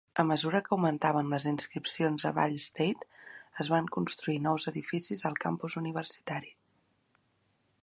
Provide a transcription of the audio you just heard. A mesura que augmentaven les inscripcions a Ball State, es van construir nous edificis al campus universitari.